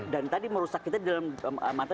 dan tadi merusak kita di dalam mata